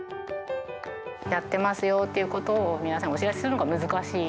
やってますよということを、皆さんにお知らせするのが難しい。